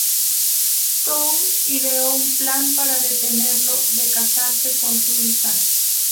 Thor ideó un plan para detenerlo de casarse con su hija.